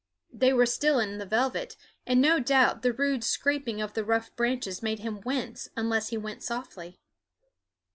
They were still in the velvet, and no doubt the rude scraping of the rough branches made him wince unless he went softly.